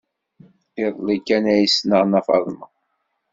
Iḍelli kan ay ssneɣ Nna Faḍma.